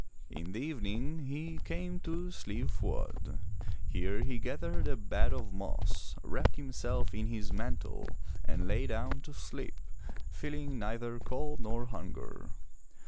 In the evening he came to Slieve Fuad. Here he gathered a bed of moss, wrapped himself in his mantle and lay down to sleep, feeling neither cold nor hunger.